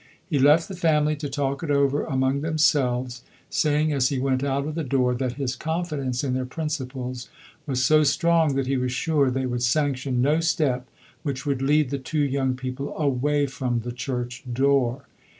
He left the family to talk it over among themselves, saying, as he went out of the door, that his confidence in their principles was so strong that he was sure they would sanction no step which would lead the two young people away from the church door.